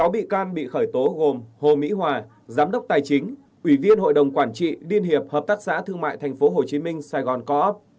sáu bị can bị khởi tố gồm hồ mỹ hòa giám đốc tài chính ủy viên hội đồng quản trị liên hiệp hợp tác xã thương mại tp hcm sài gòn co op